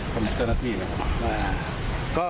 ก็นักภีม